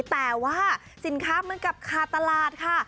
แต่ว่าสินค้าเหมือนกับคาตราตค่ะ